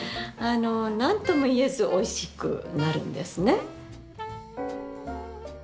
何とも言えずおいしくなるんですね。